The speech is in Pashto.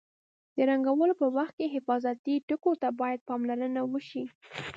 د رنګولو په وخت کې حفاظتي ټکو ته باید پاملرنه وشي.